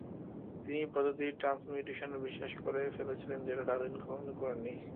তিনি প্রজাতির ট্রান্সমিউটেশনে বিশ্বাস করে ফেলেছিলেন যেটা ডারউইন কখনো করেননি।